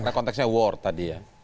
karena konteksnya war tadi ya